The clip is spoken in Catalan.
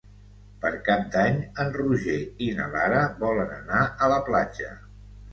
Per Cap d'Any en Roger i na Lara volen anar a la platja.